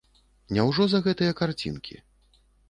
Няўжо за гэтыя карцінкі?